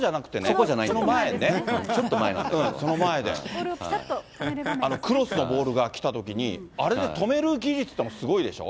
ボールをぴたっと止める場面クロスのボールが来たときに、あれで止める技術っていうのもすごいでしょ？